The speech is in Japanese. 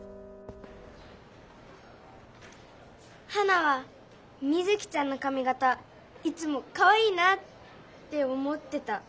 ハナはミズキちゃんのかみがたいつもかわいいなっておもってた。